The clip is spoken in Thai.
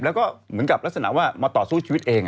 แล้วก็เหมือนกับลักษณะว่ามาต่อสู้ชีวิตเอง